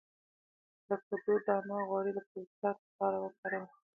د کدو دانه غوړي د پروستات لپاره وکاروئ